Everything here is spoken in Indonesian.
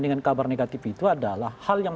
dengan kabar negatif itu adalah hal yang